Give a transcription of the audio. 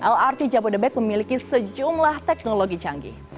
lrt jabodebek memiliki sejumlah teknologi canggih